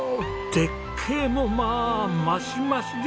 絶景もまあ増し増しじゃん！